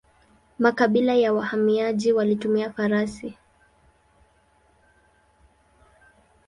Makabila ya wahamiaji walitumia farasi.